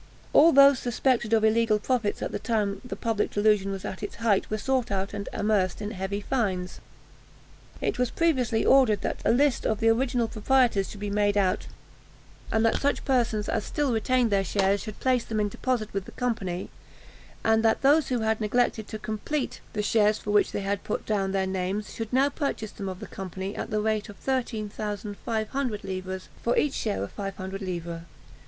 All those suspected of illegal profits at the time the public delusion was at its height, were sought out and amerced in heavy fines. It was previously ordered that a list of the original proprietors should be made out, and that such persons as still retained their shares should place them in deposit with the company, and that those who had neglected to complete the shares for which they had put down their names, should now purchase them of the company, at the rate of 13,500 livres for each share of 500 livres.